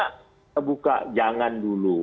kalau tidak kita buka jangan dulu